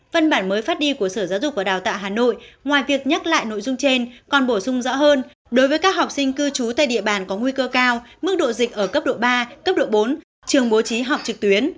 văn bản mới phát đi của sở giáo dục và đào tạo hà nội ngoài việc nhắc lại nội dung trên còn bổ sung rõ hơn đối với các học sinh cư trú tại địa bàn có nguy cơ cao mức độ dịch ở cấp độ ba cấp độ bốn trường bố trí học trực tuyến